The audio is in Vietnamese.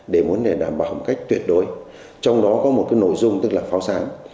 để muốn đảm bảo một cách tuyệt đối trong đó có một cái nội dung tức là pháo sáng